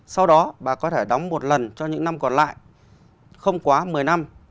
sau đó bà có thể đóng một lần cho những năm còn lại không quá một mươi năm